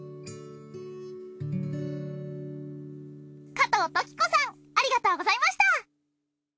加藤登紀子さんありがとうございました。